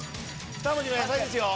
２文字の野菜ですよ。